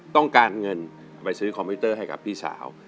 ต้องการเงินไปซื้อคอมพิวเตอร์ให้กับพี่สาว